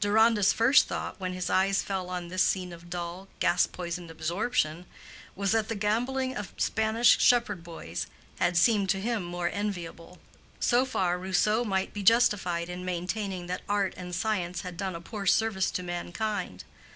Deronda's first thought when his eyes fell on this scene of dull, gas poisoned absorption, was that the gambling of Spanish shepherd boys had seemed to him more enviable:—so far Rousseau might be justified in maintaining that art and science had done a poor service to mankind.